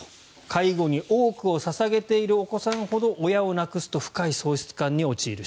介護に多くを捧げているお子さんほど親を亡くすと深い喪失感に陥る。